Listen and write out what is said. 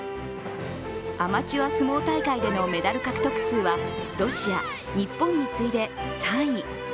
アマチュア相撲大会でのメダル獲得数はロシア、日本に次いで３位。